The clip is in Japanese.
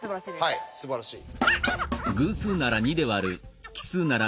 はいすばらしい。